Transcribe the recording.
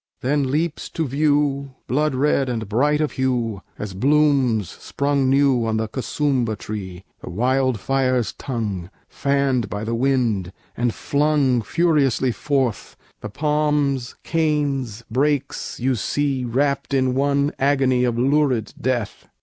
Then leaps to view blood red and bright of hue As blooms sprung new on the Kusumbha Tree The wild fire's tongue, fanned by the wind, and flung Furiously forth; the palms, canes, brakes, you see Wrapped in one agony Of lurid death!